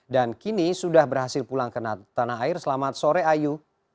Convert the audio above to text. dan kini sudah berhasil pulang ke tanah air selamat sore ayu